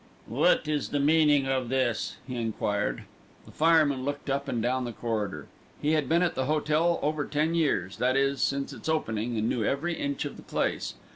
"What's the meaning of this?" he enquired. The fireman looked up and down the corridor. He had been at the hotel over ten years, that is, since its opening, and knew every inch of the place.